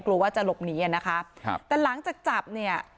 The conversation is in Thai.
กลัวว่าจะหลบหนีอ่ะนะคะครับแต่หลังจากจับเนี่ย